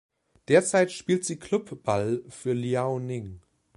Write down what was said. Derzeit spielt sie Clubball für Liaoning.